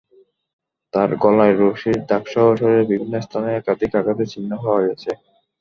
তাঁর গলায় রশির দাগসহ শরীরের বিভিন্ন স্থানে একাধিক আঘাতের চিহ্ন পাওয়া গেছে।